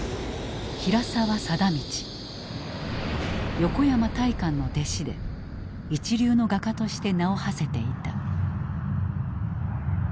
横山大観の弟子で一流の画家として名をはせていた。